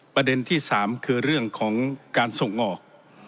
ประเด็นที่๓คือเรื่องของการส่งออก